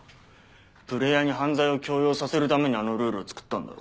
プレイヤーに犯罪を強要させるためにあのルールを作ったんだろ？